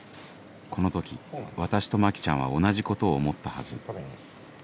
この時私とマキちゃんは同じことを思ったはず